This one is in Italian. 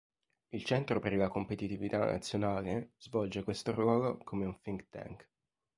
Il Centro per la competitività nazionale svolge questo ruolo come un think tank.